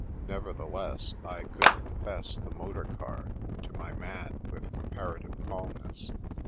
Nevertheless, I could confess the motor car to my man with comparative calmness!